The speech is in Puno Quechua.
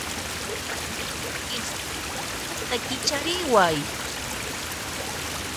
Luis, punkuta kichariway.